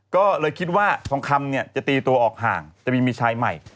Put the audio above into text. ก็เลยคิดว่าทองคำเนี่ยจะตีตัวออกห่างจะไปมีชายใหม่